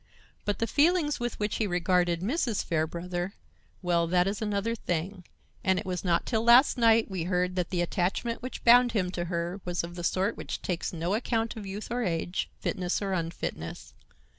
But the feelings with which he regarded Mrs. Fairbrother—well, that is another thing—and it was not till last night we heard that the attachment which bound him to her was of the sort which takes no account of youth or age, fitness or unfitness.